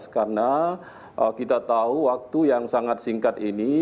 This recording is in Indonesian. karena kita tahu waktu yang sangat singkat ini